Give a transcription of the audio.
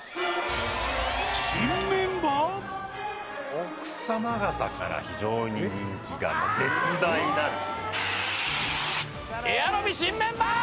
奥様方から非常に人気が絶大なるエアロビ新メンバー！